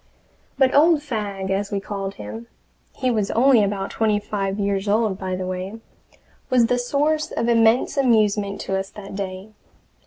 But Old Fagg, as we called him he was only about twenty five years old, by the way was the source of immense amusement to us that day.